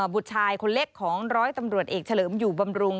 บุตรชายคนเล็กของร้อยตำรวจเอกเฉลิมอยู่บำรุง